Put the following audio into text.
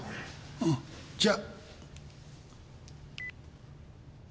うんじゃ。